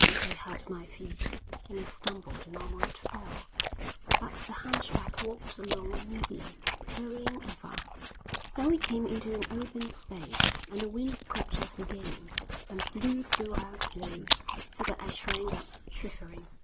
They hurt my feet, and I stumbled and almost fell, but the hunchback walked along nimbly, hurrying ever. Then we came into an open space, and the wind caught us again, and blew through our clothes, so that I shrank up, shivering.